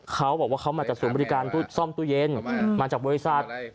เขาบอกว่าเขามาจากศูนย์บริการซ่อมตู้เย็นมาจากบริษัท